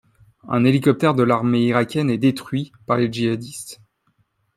Un hélicoptère de l'armée irakienne est détruit par les djihadistes.